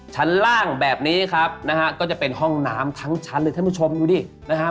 ชั้นล่างแบบนี้ครับนะฮะก็จะเป็นห้องน้ำทั้งชั้นเลยท่านผู้ชมดูดินะฮะ